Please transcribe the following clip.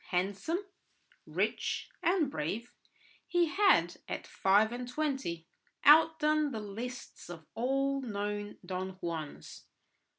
Handsome, rich, and brave, he had, at five and twenty, outdone the lists of all known Don Juans.